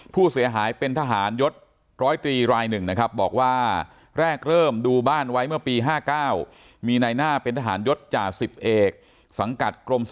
พูดเสียหายเป็นทหารยศร้อยตรีราย๑นะครับบอกว่าแรกเริ่มดูบ้านไว้เมื่อปี๕๙มีในหน้าเป็นทหารยศจ่ะ๑๐เอกสังกัดกรมสวัสดีการทหารบกเป็นคนผ่าไป